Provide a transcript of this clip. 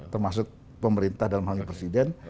termasuk pemerintah dalam hal ini presiden